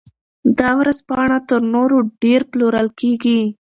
دا ورځپاڼه تر نورو ډېر پلورل کیږي.